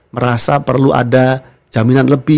merasa perlu ada jaminan lebih